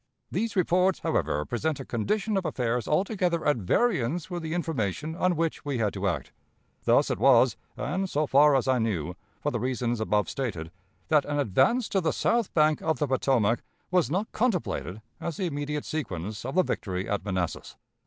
These reports, however, present a condition of affairs altogether at variance with the information on which we had to act. Thus it was, and, so far as I knew, for the reasons above stated, that an advance to the south bank of the Potomac was not contemplated as the immediate sequence of the victory at Manassas.